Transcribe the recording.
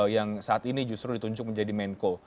yang saat ini justru ditunjuk menjadi menko